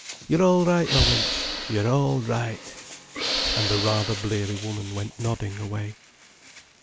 You're all right, ma wench, you're all right—" And the rather bleary woman went nodding away.